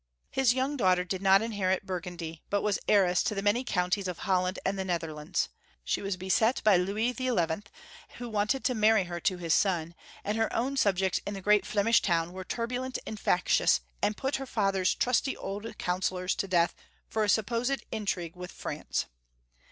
His yoimg daughter did not inherit Burgundy, but was heiress to the many counties of Holland and the Netherlands. She was beset by Louis XL, who wanted to marry her to his son, and her own 250 Young Folks' Hittory of Germany. subjects in tie great Flemish towns were turbulent and iactious, and put her father's trusty old eoun cillois to death for a supposed iutr^ue with France.